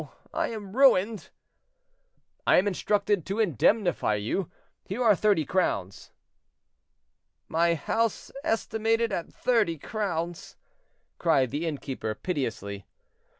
I am ruined!" "I am instructed to indemnify you; here are thirty crowns." "My house estimated at thirty crowns!" cried the inn keeper, piteously.